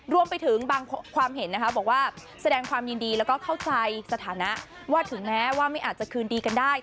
รวมไปถึงบางความเห็นนะคะบอกว่าแสดงความยินดีแล้วก็เข้าใจสถานะว่าถึงแม้ว่าไม่อาจจะคืนดีกันได้